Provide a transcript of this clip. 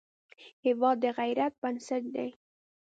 هېواد د غیرت بنسټ دی.